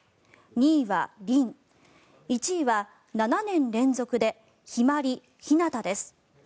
２位は凛１位は７年連続で陽葵、ひまり、ひなたです。